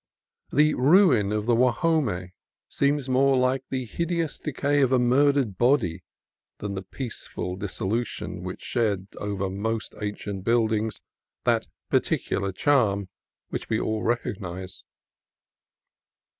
The ruin of the Guajome seems more like the hideous decay of a murdered body than the peaceful dis solution which sheds over most ancient buildings that peculiar charm which we all recognize.